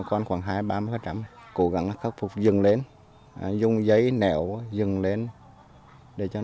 còn khoảng hai ba mươi cố gắng khắc phục dừng lên dùng giấy nẻo dừng lên để cho đựng lên nhưng mà chắc chắn